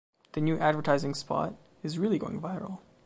The new advertising spot is going really viral.